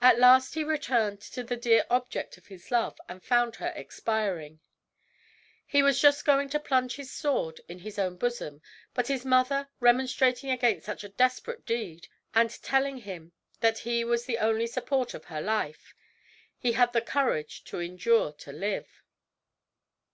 At last he returned to the dear object of his love and found her expiring. He was just going to plunge his sword in his own bosom; but his mother remonstrating against such a desperate deed, and telling him that he was the only support of her life, he had the courage to endure to live.